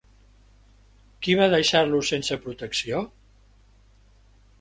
Qui va deixar-lo sense protecció?